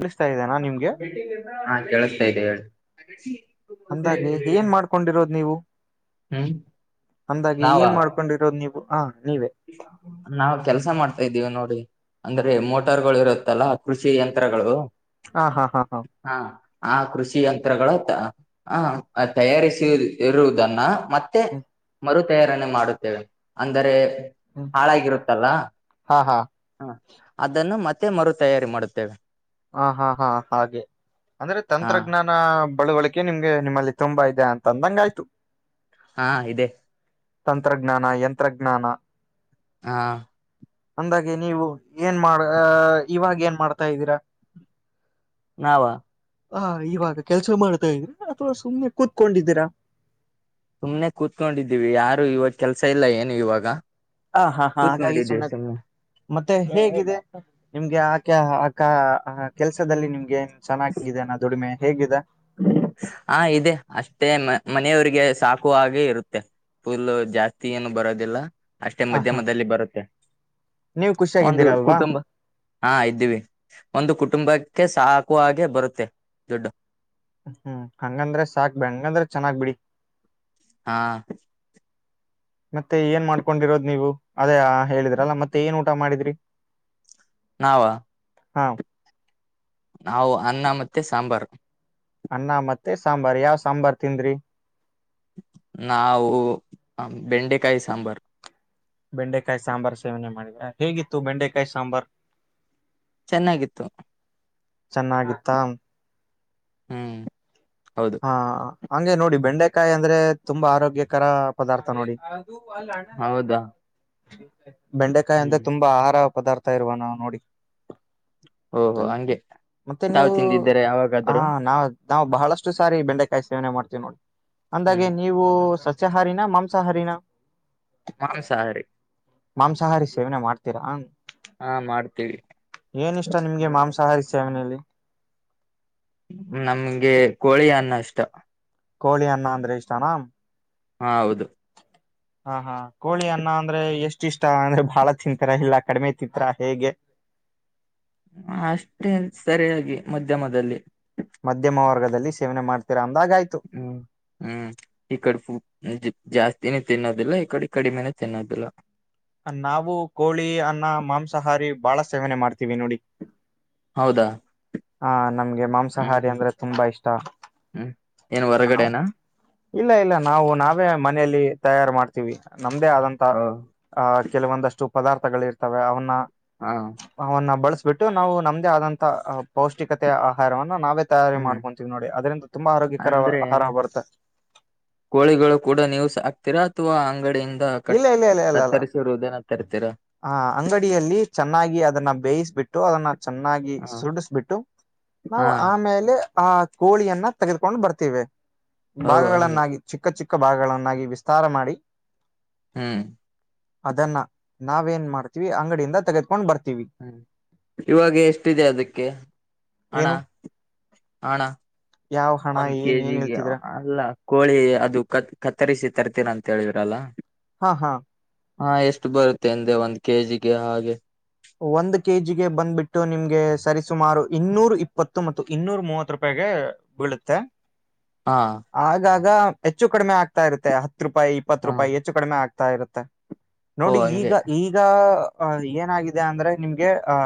ಗಳಿಸ್ತಾ ಇದ್ದೇನಾ ನಿಮ್ಗೆ ಹಾ ಕೇಳಿಸತಾ ಇದ್ದ ಹೇಳಿ ಅಂದಾಗೆ ಏನ್ ಮಾಡ್ಕೊಂಡಿರೋದು ನೀವು ಹ್ಮ್ ಅಂದಾಗಿ ಏನ್ ಮಾಡ್ಕೊಂಡಿರೋದು ನೀವು ಹ ನಾವುಕೆಲ್ಸ ಮಾಡ್ತಾ ಇದ್ದೀವಿ ನೋಡಿ ಅಂದ್ರೆ ಮೋಟಾರ್ ಗಳು ಇರುತ್ತಲ್ಲಾ ಕೃಷಿ ಯಂತ್ರಗಳು ಹಾ ಹಾ ಹಾ ಹಾ ಆ ಕೃಷಿ ಯಂತ್ರಗಳು ಆ ತಯಾರಿಸಿ ಇರುವುದನ್ನ ಮತ್ತೆ ಹ್ಮ್ ಮರು ತಯಾರಣೆ ಮಾಡುತ್ತೇವೆ ಅಂದರೆ ಹ್ಮ್ ಹಾಳಾಗಿರುತ್ತಲ್ಲ ಹಾ ಹಾ ಹ ಅದನ್ನು ಮತ್ತೆ ಮರು ತಯಾರಿ ಮಾಡುತ್ತೇವೆ ಹ ಹಾ ಹಾ ಹಾಗೆ ಅಂದ್ರೆ ಹಾ ತಂತ್ರಜ್ಞಾನ ಬಳವಳಿಕೆ ನಿಮ್ಗೆ ನಿಮ್ಮಲ್ಲಿ ತುಂಬಾ ಇದೆ ಅಂತ ಅಂದಂಗ ಆಯ್ತು ಹಾ ಇದೆ ತಂತ್ರಜ್ಞಾನ ಯಂತ್ರಜ್ಞಾನ ಹಾ ಅಂದಾಗೆ ನೀವು ಏನ್ ಮಾಡ ಅ ಇವಾಗ ಏನ್ ಮಾಡ್ತಾ ಇದ್ದೀರಾ ನಾವ ಹ ಇವಾಗ ಕೆಲ್ಸ ಮಾಡ್ತಾ ಇದೀ್ರಿ ಅಥವಾ ಸುಮ್ನೆ ಕೂತ್ಕೊಂಡಿದ್ದೀರಾ ಸುಮ್ನೆ ಕೂತ್ಕೊಂಡಿದ್ದೀವಿ ಯಾರು ಇವಾಗ ಕೆಲ್ಸ ಇಲ್ಲ ಏನು ಇವಾಗ ಹ ಹಾ ಹಾ ಹಾಗಾಗಿ ಕೂತ್ಕೊಂಡಿದ್ದೀವಿ ಸುಮ್ಮನೆ ಸುಮ್ನೆ ಮತ್ತೆ ಹೇಗಿದೆ ನಿಮ್ಗೆ ಆಕೆ ಕೆಲ್ಸದಲ್ಲಿ ನಿಮ್ಗೆ ನ್ ಚೆನ್ನಾಗಾಗಿದೆಾನ ದುಡಿಮೆ ಹೇಗಿದೆ ಹಾ ಇದೆ ಅಷ್ಟೇ ಮನೆಯವಿಗೆ ಸಾಕುವ ಹಾಗೆ ಇರುತ್ತೆ ಫುಲ್ ಜಾಸ್ತಿ ಏನು ಬರೋದಿಲ್ಲ ಅಷ್ಟೇ ಹ ಹಾ ಮಧ್ಯಮದಲ್ಲಿ ಬರುತ್ತೆ ನೀವ್ ಒಂದು ಖುಷಿಯಾಗಿದ್ದೀರ ಅಲ್ವಾ ಕುಟುಂಬ ಹಾ ಇದ್ದೀವಿ ಒಂದು ಕುಟುಂಬ ಕಕ್ಕೆ ಸಾಕುವ ಹಾಗೆ ಬರುತ್ತೆ ದುಡ್ಡು ಹೂ ಹಂಗಂದ್ರೆ ಸಾಕ್ ಬಿ ಹಂಗಂದ್ರೆ ಚೆನ್ನಾಗ್ ಬಿಡಿ ಹಾ ಮತ್ತೆ ಏನ್ ಮಾಡ್ಕೊಂಡಿರೋದ್ ನೀವು ಅದೇ ಹೇಳಿದ್ರಲ್ಲ ಮತ್ತೆ ಏನ್ ಊಟ ಮಾಡಿದ್ರಿ ನಾವ ಹಾ ನಾವು ಅನ್ನ ಮತ್ತೆ ಸಾಂಬಾರು ಅನ್ನ ಮತ್ತೆ ಸಾಂಬಾರ್ ಯಾವ್ ಸಾಂಬಾರ್ ತಿಂದ್ರಿ ನಾವು ಬೆಂಡೆಕಾಯಿ ಸಾಂಬಾರು ಬೆಂಡೆಕಾಯಿ ಸಾಂಬಾರ್ ಸೇವನೆ ಮಾಡ ಹೇಗಿತ್ತು ಬೆಂಡೆಕಾಯಿ ಸಾಂಬಾರ್ ಚೆನ್ನಾಗಿತ್ತು ಚೆನ್ನಾಗಿತ್ತಾ ಹ್ಮ್ ಹೌದು ಹಾ ಹಂಗೆ ನೋಡಿ ಬೆಂಡೆಕಾಯಿ ಅಂದ್ರೆ ತುಂಬಾ ಆರೋಗ್ಯಕರ ಪದಾರ್ಥ ನೋಡಿ ಹೌದಾ ಬೆಂಡೆಕಾಯಿ ಅಂದ್ರೆ ಹ್ಮ್ ತುಂಬಾ ಆಹಾರ ಪದಾರ್ಥ ಇರ್ರುವ ನಾ ನೋಡಿ ಓಹೋ ಹಂಗೆ ಮತ್ತೆ ತಾವು ನೀವು ತಿಂದಿದ್ದರೆ ಹಾ ಯಾವಾಗಾದ್ರು ನಾವ ನಾವು ಬಹಳಷ್ಟು ಸಾರಿ ಬೆಂಡೆಕಾಯಿ ಸೇವನೆ ಮಾಡ್ತೀವಿ ನೋಡಿ ಅಂದಾಗೆ ಹ್ಮ್ ನೀವು ಸಸ್ಯಾಹಾರಿನ ಮಾಂಸಹಾರಿನ ಮಾಂಸಹಾರಿ ಮಾಂಸಾಹಾರಿ ಸೇವನೆ ಮಾಡ್ತೀರಾ ಹಾ ಮಾಡ್ತೀವಿ [inaudible] ಏನಿಷ್ಟ ನಿಮ್ಗೆ ಮಾಂಸಾಹಾರಿ ಸೇವನೆ ಅಲ್ಲಿ ನಮ್ಗೆ [unintelligible] ಕೋಳಿ ಅನ್ನ ಅಂದ್ರೆ ಇಷ್ಟನಾ ಹಾ ಹೌದು ಹಾ ಹಾ ಕೋಳಿ ಅನ್ನ ಅಂದ್ರೆ ಎಷ್ಟ ಇಷ್ಟ ಅಂದ್ರೆ ಬಾಳ ತಿಂತಿರಾ ಇಲ್ಲ ಕಡಿಮೆ ತಿಂತೀರ ಹೇಗೆ ಅಷ್ಟೇ ಸರಿಯಾಗಿ ಮಧ್ಯಮದಲ್ಲಿ ಮಧ್ಯಮ ವರ್ಗದಲ್ಲಿ ಸೇವನೆ ಮಾಡ್ತಿರಾ ಹ್ಮ್ ಹ್ಮ್ ಈ ಕಡೇ ಜಾಸ್ತಿ ತಿನಿ ತಿನ್ನೋದಿಲ್ಲ ಈ ಕಡೆ ಕಡಿಮೆನು ತಿನ್ನೋದಿಲ್ಲ ನಾವು ಕೋಳಿ ಅನ್ನ ಮಾಂಸಾಹಾರಿ ಬಾಳ ಸೇವನೆ ಮಾಡ್ತೀವಿ ನೋಡಿ ಹೌದಾ ಹಾ ನಮ್ಗೆ ಹ್ಮ್ ಮಾಂಸಾಹಾರಿ ಹ್ಮ್ ಅಂದ್ರೆ ತುಂಬಾ ಇಷ್ಟ ಹ್ಮ್ ಏನ್ ಹೊರಗಡೆನಾ ಇಲ್ಲ ಇಲ್ಲ ನಾವು ನಾವೇ ಮನೆಯಲ್ಲಿ ತಯಾರು ಮಾಡ್ತೀವಿ ನಮ್ದೇ ಆದಂತ ಓ ಹಾ ಕೆಲವೊಂದಷ್ಟು ಪದಾರ್ಥಗಳ ಇರ್ತವೆ ಅವನ್ನ ಹಾ ಅವನ್ನ ಬಳಸಬಿಟ್ಟು ನಾವು ನಮ್ದೇ ಆದಂತ ಪೌಷ್ಟಿಕತೆಯ ಆಹಾರವನ್ನು ನಾವೇ ತಯಾರಿ ಹ್ಮ್ ಮಾಡ್ಕೊಂತೀವಿ ನೋಡಿ ಅದ್ರಿಂದ ತುಂಬಾ ಆರೋಗ್ಯಕರ ಅಂದ್ರೆ ಆಹಾರ ಬರುತ್ತೆ ಕೋಳಿಗಳು ಕೂಡ ನೀವು ಸಕ್ತೀರಾ ಅಥವಾ ಅಂಗಡಿಯಿಂದ ಕತ್ತರಿಸಿರುವುದೇನತ್ತ ಹಾ ಅಂಗಡಿಯಲ್ಲಿ ಚೆನ್ನಾಗಿ ಅದನ್ನ ಬೇಯಿಸಿಬಿಟ್ಟು ಅದನ್ನ ಚೆನ್ನಾಗಿ ಹ ಸುಡಿಸ್ಬಿಟ್ಟು ನಾವು ಹಾ ಆಮೇಲೆ ಆ ಕೋಳಿಯನ್ನ ತೆಗೆದುಕೊಂಡು ಬರ್ತೀವೆ ಓ ಹಂಗೆ ಭಾಗಗಳನ್ನಾಗಿ ಚಿಕ್ಕ ಚಿಕ್ಕ ಭಾಗಗಳನ್ನಾಗಿ ವಿಸ್ತಾರ ಮಾಡಿ ಹ್ಮ್ ಅದನ್ನ ನಾವೇ ಏನ್ ಮಾಡ್ತೀವಿ ಅಂಗಡಿಯಿಂದ ತೆಗೆದಕೊಂಡ್ ಬರ್ತವಿ ಹ್ಮ್ ಇವಾಗ ಎಷ್ಟಿದೆ ಅದಕ್ಕೆ [inaudible] ಹಣ ಏನು ಹಣ ಯಾವ [inaudible] ಹಣ ಒಂದ ಏನ್ ಏನ್ ಕೆಜಿಗೆ ಹೇಳ್ತಿದ್ರ ಅಲ್ಲ ಕೋಳಿ ಅದು ಕತ್ ಕತ್ತರಿಸಿ ತರ್ತೀನಿ ಅಂತ ಹೇಳಿದ್ರಲ್ಲಾ ಹಾ ಹಾ ಹಾ ಎಷ್ಟು ಬರುತ್ತೆ ಎಂದೆ ಒಂದ್ ಕೆಜಿಗೆ ಹಾಗೆ ಗೆ ಸರಿಸುಮಾರು ಇನ್ನೂರು ಇಪ್ಪತ್ತು ಮತ್ತು ಇನ್ನೂರು ಮೂವತ್ತು ರೂಪಾಯಿಗೆ ಬೀಳುತ್ತೆ ಹಾ ಆಗಾಗ ಹೆಚ್ಚು ಕಡಿಮೆ ಆಗ್ತಾ ಇರುತ್ತೆ ಹತ್ತು ರೂಪಾಯಿ ಇಪ್ಪತ್ತು ಹಾ ರೂಪಾಯಿ ಹೆಚ್ಚು ಕಡಿಮೆ ಆಗ್ತ ಇರುತ್ತೆ ಓ ನೋಡಿ ಹಂಗೆ ಈಗ ಈಗ ಏನ ಅಂದ್ರೆ ನಿಮ್ಗೆ ಹಾ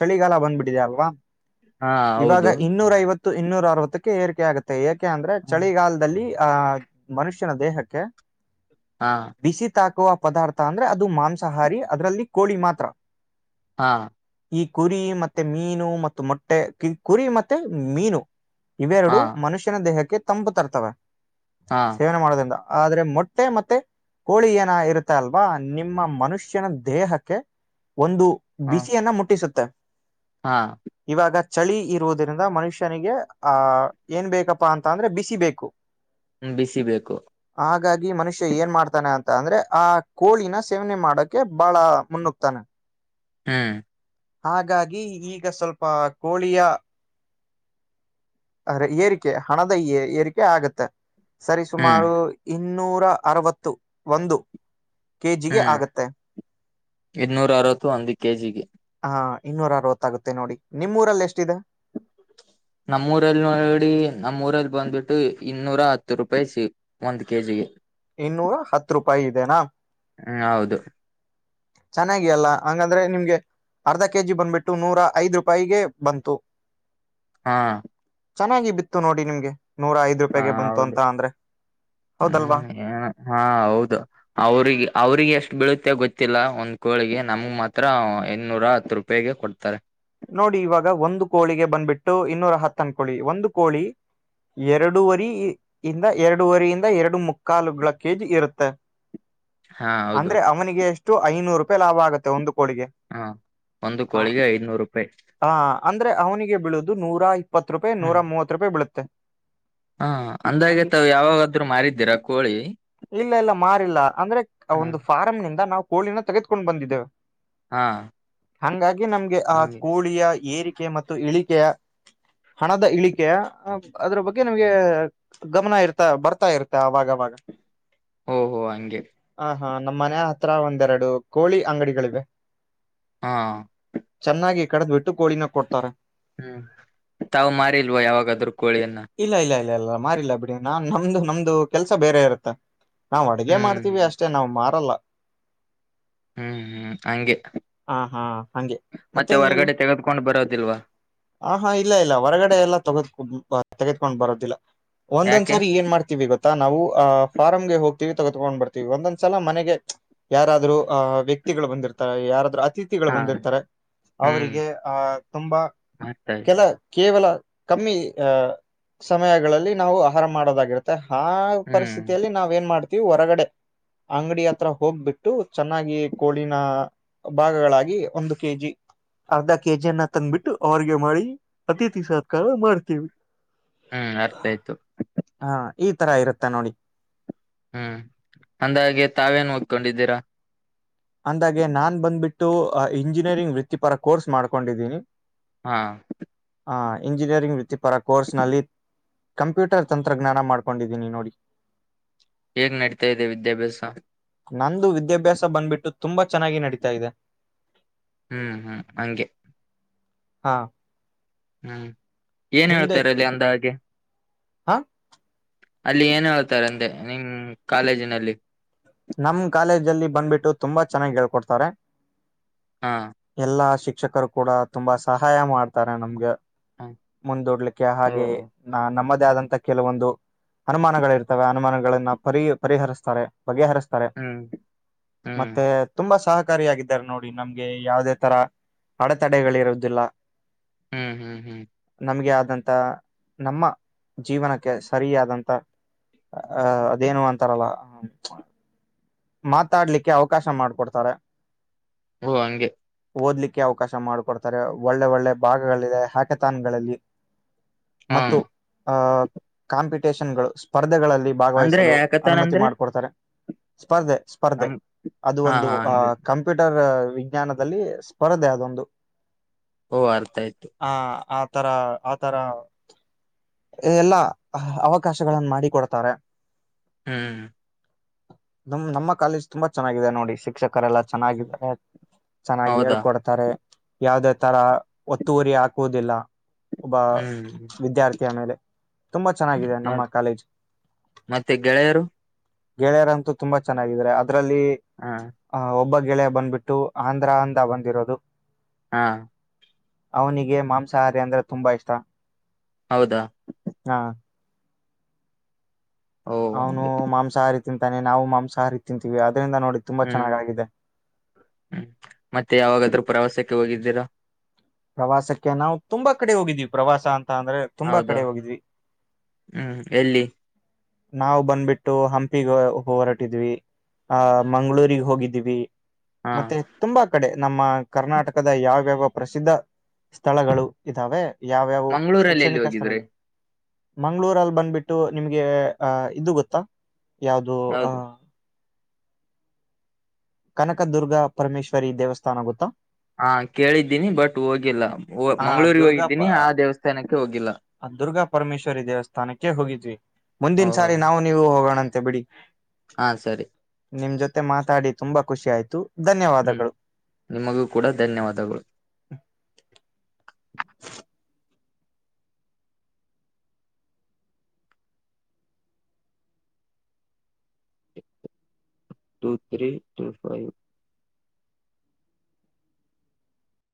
ಚಳಿಗಾಲ ಬಂದ್ಬಿಟ್ಟಿದೆ ಅಲ್ವಾ ಹಾ [inaudible] ಇವಾಗ ಹೌದು ಇನ್ನೂರ ಐವತ್ತು ಇನ್ನೂರ ಅರವತ್ತಕ್ಕೆ ಏರಿಕೆ ಆಗುತ್ತೆ ಏಕೆ ಅಂದ್ರೆ ಚಳಿಗಾಲದಲ್ಲಿ ಹಾ ಮನುಷ್ಯನ ದೇಹಕ್ಕೆ ಹಾ [inaudible] ಬಿಸಿ ತಾಕುವ ಪದಾರ್ಥ ಅಂದ್ರೆ ಅದು ಮಾಂಸಾಹಾರಿ ಅದ್ರಲ್ಲಿ ಕೋಳಿ ಮಾತ್ರ ಹಾ ಈ ಕುರಿ ಮತ್ತೆ ಮೀನು ಮತ್ತು ಮೊಟ್ಟೆ ಕುರಿ ಮತ್ತೆ ಮೀನು ಹಾ ಇವೆರಡು ಮನುಷ್ಯನ ದೇಹಕ್ಕೆ ತಂಪು ತರ್ತವೆ ಸೇವನೆ ಮಾಡೋದ್ರಿಂದ ಆದ್ರೆ ಮೊಟ್ಟೆ ಮತ್ತೆ ಕೋಳಿ ಏನ ಇರುತ್ತ ಅಲ್ವಾ ನಿಮ್ಮ ಮನುಷ್ಯನ ದೇಹಕ್ಕೆ ಒಂದು ಹಾ ಬಿಸಿಯನ್ನ ಮುಟ್ಟಿಸುತ್ತೆ ಹಾ ಇವಾಗ ಚಳಿ ಇರುವುದರಿಿಂದ ಮನುಷ್ಯನಿಗೆ ಆಹ ಏನ್ ಬೇಕಪ್ಪಾ ಅಂತ ಅಂದ್ರೆ ಬಿಸಿಬೇಕು ಬಿಸಿ ಬೇಕು ಹಾಗಾಗಿ ಮನುಷ್ಯ ಏನ್ ಮಾಡ್ತಾನೆ ಅಂತ ಅಂದ್ರೆ ಆ ಕೋಳಿನ ಸೇವನೆ ಮಾಡಕೆ ಬಹಳ ಮುನ್ನುಗ್ತಾನೆ ಹ್ಮ್ ಹಾಗಾಗಿ ಈಗ ಸ್ವಲ್ಪ ಕೋಳಿಯ ಅ ಏರಿಕೆ ಹಣದ ಏರಿಕೆ ಆಗತ್ತೆ ಸರಿ ಹ್ಮ್ ಸುಮಾರು ಇನ್ನೂರ ಅರವತ್ತು ಒಂದು ಕೆ ಜಿಗೆ ಹ್ಮ್ ಆಗತ್ತೆ ಇನ್ನೂರ ಅರವತ್ತು ಒಂದು ಕೆಜಿಗೆ ಹಾ ಇನ್ನೂರ ಅರವತ್ತಾಗುತ್ತೆ ನೋಡಿ ನಿಮ್ಮೂಊರಲ್ಲಿ ಎಷ್ಟಿದೆ ನಮ್ಮೂರಲ್ಲಿ ನೋಡಿ ನಮ್ಮೂಊರಲ್ಲಿ ಬಂದ್ಬಿಟ್ಟು ಇನ್ನೂರ ಹತ್ತು ರೂಪಾಯಿ ಸಿ ಒಂದ್ ಕೆಜಿಗೆ ಇನ್ನೂರ ಹತ್ ರೂಪಾಯಿ ಇದೆನಾ ಹ್ಮ ಹೌದು ಚೆನ್ನಾಗಿ ಅಲ್ಲ ಹಂಗಂದ್ರೆ ನಿಮ್ಗೆ ಅರ್ಧ ಕೆಜಿ ಬಂದ್ಬಿಟ್ಟು ನೂರ ಐದ ರೂಪಾಯಿಗೆ ಬಂತು ಹಾ ಚೆನ್ನಾಗಿ ಬಿತ್ತು ನೋಡಿ ನಿಮ್ಗೆ ನೂರ ಐ್ ರೂಪಾಯಗೆ ಬಂತು ಅಂತ ಅಂದ್ರೆ ಹೌದಲ್ವಾ ಹ್ಮ ಹಾ ಹೌದು ಅವ್ರಿಗೆ ಅವ್ರಿಗೆ ಎಷ್ಟ ಬೀಳುತ್ತೆ ಗೊತ್ತಿಲ್ಲ ಒಂದ್ ಕೋಳಿಗೆ ನಮ್ಗ್ ಮಾತ್ರ ಇನ್ನೂರ ಹತ್ತು ರೂಪಾಯಿಗೆ ಕೊಡ್ತಾರೆ ನೋಡಿ ಇವಾಗ ಒಂದು ಕೋಳಿಗೆ ಬಂದ್ಬಿಟ್ಟು ಇನ್ನೂರ ಹತ್ತನ್ ಕೋಳಿ ಒಂದು ಕೋಳಿ ಎರಡುವರಿ ಇಿಂದ ಎರಡೂುವರಿಯಿಂದ ಎರಡು ಮುಕ್ಕಾಲುಗಳ ಕೇಜಿ ಇರುತ್ತೆ ಹಾ ಹೌದು ಅಂದ್ರೆ ಅವನಿಗೆ ಎಷ್ಟು ಐನೂರು ರೂಪಾಯಿ ಲಾಭ ಆಗುತ್ತೆ ಒಂದು ಕೋಳಿಗೆ ಹಾ ಒಂದು ಕೋಳಿಗೆ ಐದನೂರು ರೂಾಯ ಹಾ ಅಂದ್ರೆ ಅವನಿಗೆ ಬೀಳುದು ನೂರ ಇಪ್ಪತ್ ರೂಪಾಯಿ ನೂರ ಮೂವತ್ ರೂಪಾಯಿ ಬೀಳುತ್ತೆ ಹಾ ಅಂದಾಗೆ ಹಂಗೆ ತಾವವು ಯಾವಾಗಾದ್ರೂ ಮಾರಿದ್ದೀರ ಕೋಳಿ ಇಲ್ಲ ಇಲ್ಲ ಮಾರಿಲ್ಲ ಅಂದ್ರೆ ಹ ಒಂದು ಫಾರಂ್ನಂದ ನಾವು ಕೋಳಿನ ತೆಗೆದಕೊಂಡ್ ಬಂದಿದ್ದೇವೆ ಹಾ ಹಂಗಾಗಿ ನಮ್ಗೆ ಆ ಹಂಗೆ ಕೋಳಿಯ ಏರಿಕೆ ಮತ್ತು ಇಳಿಕೆಯ ಹಣದ ಇಳಿಕೆ ಅದ್ರ ಬಗ್ಗೆ ನಿಮಗೆ ಗಮನ ಇರ್ತಾ ಬರ್ತಾ ಇರ್ತ ಆಾಗ [inaudible] ಹೊ ಅಂಗೆ ಹ ನಮ್ಮ ಮನ ಹತ್ರ ಒಂದ್ೆರಡು ಕೋಳಿ ಅಂಗಡಿಗಳಿವೆ ಹಾ ಚೆನ್ನಾಗಿ ಕಡದ್ ಬಿಟ್ಟು ಕೋಳಿನ ಕೊಡ್ತಾರೆ ಹ್ಮ್ ತಾವು ಮಾರಿಲ್ವಾ ಯಾವಾಗಾದ್ರೂ ಕೋಳಿಯನ್ನ ಇಲ್ಲ ಇಲ್ಲ ಇಲ್ಲ ಇಲ್ಲ ಮಾಾರಲ್ಲ ಅಡ ನಾ ನಮ್ದು ನಮ್ದು ಕೆಲ್ಸ ಬೇರೆ ಇರುತ್ತೆ ನಾವ್ ಅಡಗೆ ಹ್ಮ್ ಮಾಡ್ತೀವಿ ಹ್ಮ್ ಅಷ್ಟೇ ನಾವ್ ಮಾರಲ್ಲ ಹ್ಮ್ ಹ್ಮ್ ಹಂಗೆ ಹಾ ಹಾ ಹೆ ಮ ಮತ್ತೆ ನೀ ಹೊರ್ಗಡೆ ತೆಗೆದ್ಕೊಂಡ್ ಬರೋದಿಲ್ವಾ ಹ ಹಾ ಇಲ್ಲ ಇಲ್ಲ ಹೊರಗಡೆ ಎಲ್ಲ ತಗೋ ತೆಗೆದಕೊಂಡ್ ಬರೋದಿಲ್ಲ ಒಂದೊಂದ್ ಯಾಕೆ ಸಾರಿ ಏನ್ ಮಾಡ್ತೀವಿ ಗೊತ್ತ ನಾವು ಅ್ ಫಾರ್ಮ್ಗೆ ಹೋಗ್ತತಿವಿ ತಗತ್ಕೊಂಡ್ ಬರ್ತೀವಿ ಒಂದೊಂದ್ಸಲ ಮನೆಗೆ ಯಾರಾದ್ೂ ಆ್ ವ್ಯಕ್ತಿಗಳು ಬಂದಿರ್ತಾರೆ ಯಾರಾದ್ರು ಸ್ಥಥಿಗಳು ಹಾ ಬಂದಿರ್ತಾರೆ ಹ್ಮ್ ಅವರಿಗೆ ಆಹ ತುಂಬಾ ಅರ್ಥ ಆಯ್ತು ಕೆಲ ಕೇವಲ ಕಮ್ಮಿ ಸಮಯಗಳಲ್ಲಿ ನಾವು ಆಹಾರ ಮಾಡೋದಾಗಿರುತ್ತೆ ಆ ಹ್ಮ್ ಪರಿಸ್ಥಿತಿಯಲ್ಲಿ ನಾವ ಏನ್ ಮಾಡ್ತೀವಿ ಹೊರಗಡೆ ಅಂಗಡಿ ಹತ್ರ ಹೋಗ್ಬಿಟ್ಟು ಚೆನ್ನಾಗಿ ಕೋಳಿನ ಭಾಗಗಳಾಗಿ ಒಂದು ಕೆಜಿ ಅರ್ಧ ಕೆಜಿಯನ್ನ ತಂದ್ಬಿಟ್ಟು ಅವ್ರಗೆ ಮಾಡಿ ಅತಿಥಿ ಸತ್ಕಾರ ಮಾಡ್ತೇವಿ ಹ್ಮ್ ಅರ್ಥ ಆಯ್ತು ಹಾ ಈ ತರ ಇರುತ್ತ ನೋಡಿ ಹ್ಮ್ ಅಂದಾಗೆ ತಾವೇನ್ ಹ್ಕೊಂಡಿದ್ದೀರಾ ಅಂದಾಗೆ ನಾನ್ ಬಂದ್ಬಿಟ್ಟು ಇಂಜಿನಿಯರಿಂಗ್ ವೃತ್ತಿಪರ ಕೋರ್ಸ್ ಮಾಡ್ಕೊಂಡಿದ್ದೀನಿ ಹಾ ಆ ಇಂಜಿನಿಯರಿಂಗ್ ವೃತ್ತಿಪರ ಕೋರ್ಸ್ ನಲ್ಲಿ ಕಂಪ್ಯೂಟರ್ ತಂತ್ರಜ್ಞಾನ ಮಾಡ್ಕೊಂಡಿದ್ದೀನಿ ನೋಡಿ ಹೇಗ್ ನಡೀತಾ ಇದೆ ವಿದ್ಯಾಭ್ಯಾಸ ನಂದು ವಿದ್ಯಾಭ್ಯಾಸ ಬಂದ್ಬಿಟ್ಟು ತುಂಬಾ ಚೆನ್ನಾಗಿ ನಡೀತಾ ಇದೆ ಹ್ಮ್ ಹ್ಮ್ ಹಂಗೆ ಹಾ ಹ್ಮ್ ಏನ್ ನಿಮ್ದೆ ಹೇಳ್ತರಲ್ಲಿ ಅಂದ ಹಾಗೆ ಹಾ ಅಲ್ಲಿ ಏನ್ ಹೇಳ್ತಾರಂದೆ ನಿಮ್ ಕಾಲೇಜಿನಲ್ಲಿ ನಮ್ ಕಾಲೇಜ್ ಅಲ್ಲಿ ಬಂದ್ಬಿಟ್ಟು ತುಂಬಾ ಚೆನ್ನಾಗಿ ಹೇಳ್ಕೊಡ್ತಾರೆ ಹಾ ಎಲ್ಲಾ ಶಿಕ್ಷಕರು ಕೂಡ ತುಂಬಾ ಸಹಾಯ ಮಾಡ್ತಾರೆ ನಮ್ಗೆ ಹ ಮುಂದೂಡ್ಲಿಕ್ಕೆ ಓ ಹಾಗೆ ನ ನಮದ್ ಆದಂತ ಕೆಲವೊಂದು ಅನುಮಾನಗಳ ಇರ್ತವೆ ಅನುಮಾನಗಳನ್ನ ಪರಿ ಪರಿಹರಿಸ್ತಾರೆ ಬಗೆಹರಿಸ್ತಾರೆ ಹ್ಮ್ ಹ್ಮ್ ಮತ್ತೆ ತುಂಬಾ ಸಹ ಕಾರಿಯಾಗಿದ್ದಾರೆ ನೋಡಿ ನಮ್ಗೆ ಯಾವುದೇ ತರ ಅಡೆತಡೆಗಳಿರುದಿಲ್ಲ ಹ್ಮ್ ಹ್ಮ್ ಹ್ಮ್ ನಮ್ಗೆ ಆದಂತ ನಮ್ಮ ಜೀವನಕ್ಕೆ ಸರಿಯಾದಂತ ಅ ಅದೇನು ಅಂತಾರಲ್ಲ ಹ ಮಾತಾಡ್ಲಿಕ್ಕೆ ಅವಕಾಶ ಮಾಡ್ಕೊಡ್ತಾರೆ ಓ ಅಂಗೆ ಓದ್ಲಿಕ್ಕೆ ಅವಕಾಶ ಮಾಡಕೊಡ್ತಾರೆ ಒಳ್ಳೆ ಒಳ್ಳೆ ಭಾಗಗಳಿದೆ ಹ್ಯಾಕತನ್ಗಳಲ್ಲಿ ಹಾ ಮತ್ತು ಆ ಕಾಂಪಿಟೇಷನ್ ಗಳು ಸ್ಪರ್ಧೆಗಳಲ್ಲಿ ಅಂದ್ರೆ ಭಾಗವಹಿಸಲು ಯಾಕತಾನ ಅನುಮತಿ ಅಂದ್ರೆ ಮಾಡ್ಕೊಡ್ತಾರೆ ಸ್ಪರ್ಧೆ ಸ್ಪರ್ಧೆ ನಮ್ ಅದು ಹಾ ಒಂದು ಹಾ ಅ ಹಂಗೆ ಕಂಪ್ಯೂಟರ್ ವಿಜ್ಞಾನದಲ್ಲಿ ಸ್ಪರ್ಧೆ ಅದೊಂದು ಓ ಅರ್ಥಯ್ತು ಆ ಆ ತರ ಆತರ ಎಲ್ಲಾ ಅವಕಾಶಗಳಗಳನ್ನು ಮಾಡಿಕೊಡ್ತಾರೆ ಹ್ಮ್ ನಮ್ ನಮ್ಮ ಕಾಲೇಜ್ ತುಂಬಾ ಚೆನ್ನಾಗಿದೆ ನೋಡಿ ಶಿಕ್ಷಕ ಅಕ್ಕರೆ ಎಲ್ಲ ಚೆನ್ನಾಗಿದ್ದಾರೆ ಚೆನ್ನಾಗಿ ಹೌದಾ ಹೇಳ್ಕೊಡ್ತಾರೆ ಯಾವವುದೇ ತರ ಒತ್ತುವರಿ ಹಾಕುವುದಿಲ್ಲ ಒಬ್ಬ ಹ್ಮ್ ವಿದ್ಯಾರ್ಥಿಯ ಮೇಲೆ ತುಂಬಾ ಚೆನ್ನಾಗಿದೆ ನಮ್ಮ ಮತ್ ಕಾಲೇಜ್ ಮತ್ತೆ ಗೆಳೆಯರು ಗೆಳೆಯರ ಅಂತೂ ತುಂಬಾ ಚೆನ್ನಾಗಿದಿದ್ದಾರೆ ಅದ್ರಲ್ಲಿ ಹಾ ಆ ಒಬ್ಬ ಗೆಳೆಯ ಬಂದ್ಬಿಟ್ಟು ಆಂಧ್ರ ಅಂದ ಬಂದಿರೋದು ಹಾ ಅವನಿಗೆ ಮಾಂಸಾಹಾರಿ ಅಂದ್ರೆ ತುಂಬಾ ಇಷ್ಟ ಹೌದಾ ಹ ಓ ಅವನು ಹಂಗೆ ಮಾಂಸಾಹಾರಿ ತಿಂತಾನೆ ನಾವು ಮಾಂಸಾಹಾರಿ ತಿಂತೀವಿ ಅ ಹ್ಮ್ ಹ್ಮ್ ಮತ್ತೆ ಯಾವಾಗಾದ್ರು ಪ್ರವಾಸಕ್ಕೆ ಹೋಗಿದ್ದೀರಾ ಪ್ರವಾಸಕ್ಕೆ ನಾವು ತುಂಬಾ ಕಡೆ ಹೋಗಿದ್ದೀವಿ ಪ್ರವಾಸ ತಂದ್ರೆ ತುಂಬಾ ಹೌದಾ ಕಡೆ ಹೋಗಿದ್ವಿ ಹ್ಮ್ ಎಲ್ಲಿ ನಾವು ಬಂದ್ಬಿಟ್ಟು ಹಂಪಿಗೆ ಹೊರಾಟಿದ್ವಿ ಆ ಮಂಗ್ಗಳೂರಿಗೆ ಹೋಗಿದ್ದೀವಿ ಹಾ ಮತ್ತೆ ತುಂಬಾ ಕಡೆ ನಮ್ಮ ಕರ್ನಾಟಕದ ಯಾವ್ಯಾವ ಪ್ರಸಿದ್ಧ ಸ್ಥಳಗಳು ಇದ್ದಾವೆ ಯಾವ ಯಾವ ಮಂಗ್ಗಳೂರಲ್ಲಿ ಎಲ್ಲಿ ಶೈಕ್ಷಣಿಕ ಹೋಗಿದ್ರಿ ಸ್ಥಾನದಲ್ಲಿ ಮಂಗ್ಗಳೂರಲ್ಲಿ ಬಂದ್ಬಿಟ್ಟು ನಿಮ್ಗೆ ಅಹ ಇದು ಗೊತ್ತಾ ಯಾವ್ದ ಅಹ ಹೌದು ಕನಕದುರ್ಗ ಪರಮೇಶ್ವರಿ ದೇವಸ್ಥಾನ ಗೊತ್ತಾ ಹಾ ಕೇಳಿದ್ದೀನಿ ಬಟ್ ಹೋಗಿಲ್ಲ ಆ ಮಂಗ್ಗಳೂರಿಗೆ ದುರ್ಗಾ ಪ ಹೋಗಿದ್ದೀನಿ ಆ ದೇವಸ್ಥಾನಕ್ಕೆ ಹೋಗಿಲ್ಲ ದುರ್ಗಾ ಪರಮೇಶ್ವರಿ ದೇವಸ್ಥಾನಕ್ಕೆ ಹೋಗಿದ್ವಿ ಓ ಮುಂದಿನ ಸಾರಿ ನಾವು ನೀವು ಹೋಗೋಣಂತ ಬಿಡಿ ಹಾ ಸರಿ ನಿಮ್ ಜೊತೆ ಮಾತಾಡಿ ತುಂಬಾ ಖುಷಿ ಆಯ್ತು ಹೂ ಧನ್ಯವಾದಗಳು ನಿಮಗೂ ಕೂಡ ಧನ್ಯವಾದಗಳು ಟ ತ್ರೀ ಟೂ ಫೈವ್